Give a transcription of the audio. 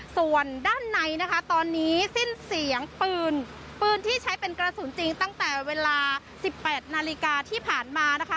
ส่วนด้านในนะคะตอนนี้สิ้นเสียงปืนปืนที่ใช้เป็นกระสุนจริงตั้งแต่เวลาสิบแปดนาฬิกาที่ผ่านมานะคะ